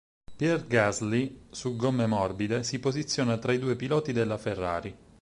Pierre Gasly, su gomme morbide, si posiziona tra i due piloti della Ferrari.